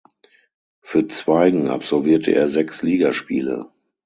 Für Zweigen absolvierte er sechs Ligaspiele.